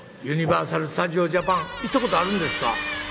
ユニバーサル・スタジオ・ジャパン行ったことあるんですか？」。